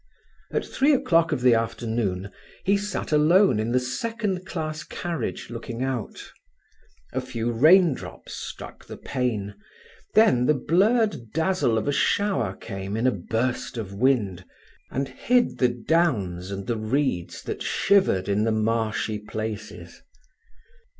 At three o'clock of the afternoon he sat alone in the second class carriage, looking out. A few raindrops struck the pane, then the blurred dazzle of a shower came in a burst of wind, and hid the downs and the reeds that shivered in the marshy places.